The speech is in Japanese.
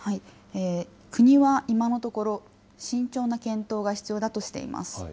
国は今のところ、慎重な検討が必要だとしています。